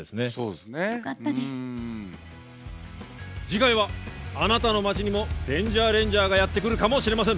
次回はあなたの町にもデンジャーレンジャーがやって来るかもしれません。